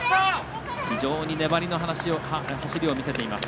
非常に粘りの走りを見せています。